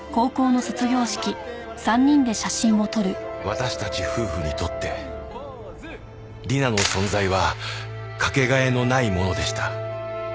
私たち夫婦にとって理奈の存在はかけがえのないものでした。